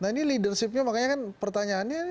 nah ini leadershipnya makanya kan pertanyaannya